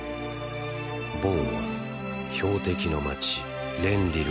ボンは標的の街レンリルへと急ぐ。